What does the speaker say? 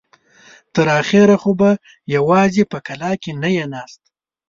تر اخره خو به يواځې په کلاکې نه يې ناسته.